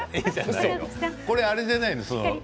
これは、あれじゃないの？